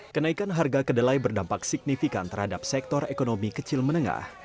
kenaikan harga kedelai berdampak signifikan terhadap sektor ekonomi kecil menengah